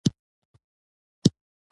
حکومت و تخنيکي او مسلکي خلکو ته ضرورت لري.